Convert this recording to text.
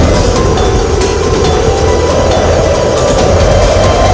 itu udah gila